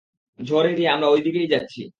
ঝড় এড়িয়ে আমরা ওইদিকেই যাচ্ছি।